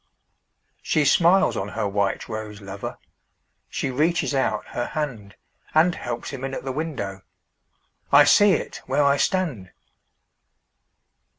She smiles on her white rose lover, She reaches out her handAnd helps him in at the window—I see it where I stand!